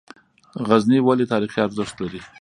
غزني ولې تاریخي ارزښت لري؟